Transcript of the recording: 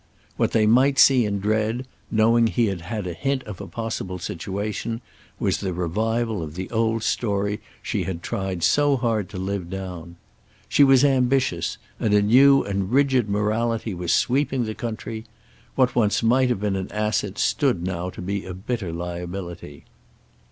What they might see and dread, knowing he had had a hint of a possible situation, was the revival of the old story she had tried so hard to live down. She was ambitious, and a new and rigid morality was sweeping the country. What once might have been an asset stood now to be a bitter liability.